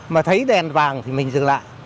mà thấy đèn vàng thì mình dừng lại